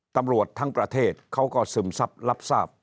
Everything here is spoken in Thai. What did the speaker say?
ตำรวจทั้งประเทศเขาก็ซึมซับรับทราบ